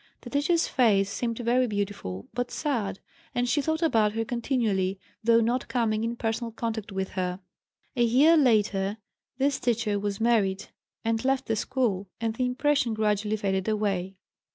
The teacher's face seemed very beautiful, but sad, and she thought about her continually, though not coming in personal contact with, her. A year later this teacher was married and left the school, and the impression gradually faded away.